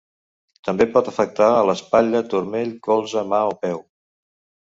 També pot afectar a l'espatlla, turmell, colze, mà o peu.